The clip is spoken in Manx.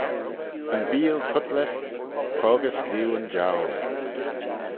Yn beeal tutler poagey scrieu yn jowl.